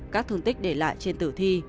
các thương tích để lại trên tử thi